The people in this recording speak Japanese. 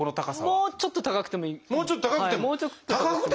もうちょっと高くてもいいですね。